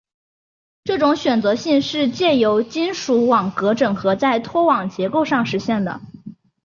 这种选择性是藉由金属网格整合在拖网结构上实现的。